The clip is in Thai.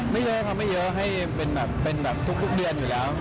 ไม่เยอะค่ะไม่เยอะให้เป็นแบบทุกเดือนอยู่แล้ว